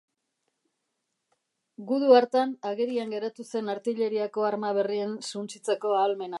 Gudu hartan agerian geratu zen artilleriako arma berrien suntsitzeko ahalmena.